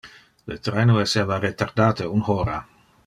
Le traino esseva retardate un hora.